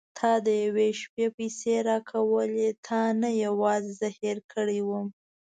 تا د یوې شپې پيسې راکولې تا نه یوازې زه هېره کړې وم.